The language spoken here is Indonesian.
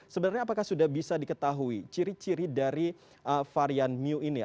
sebenarnya apakah sudah bisa diketahui ciri ciri dari varian new ini